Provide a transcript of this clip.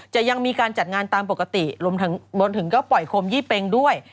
ยังมีการจัดงานตามปกติรวมถึงก็ปล่อยโคมยี่เป็งด้วย